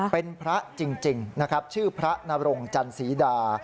เป็นพระจริงนะครับชื่อพระนรงจันสีดา